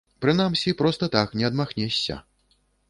Прынамсі, проста так не адмахнешся.